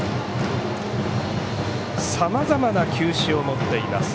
さまざまな球種を持っています。